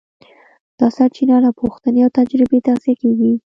دا سرچینه له پوښتنې او تجربې تغذیه کېږي.